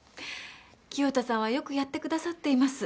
清田さんはよくやってくださっています。